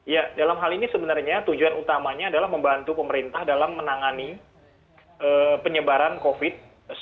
ya dalam hal ini sebenarnya tujuan utamanya adalah membantu pemerintah dalam menangani penyebaran covid sembilan belas